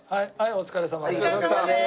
お疲れさまです！